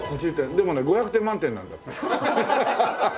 でもね５００点満点なんだ。